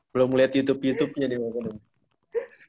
belum liat youtube youtubenya deh